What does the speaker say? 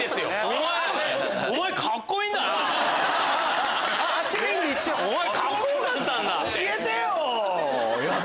お前カッコよかったんだ。